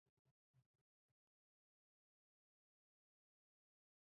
تاسو د دې بد بختې ماشومې پلار هم ياستئ.